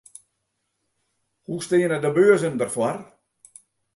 Hoe steane de beurzen derfoar?